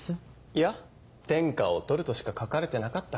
いや「天下を獲る」としか書かれてなかった。